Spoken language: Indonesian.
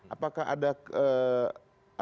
apakah ada kekosongan